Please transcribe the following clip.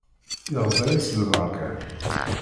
Iɣza-yas lberka.